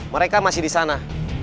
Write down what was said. mereka masih disana